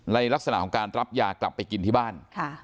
ลักษณะของการรับยากลับไปกินที่บ้าน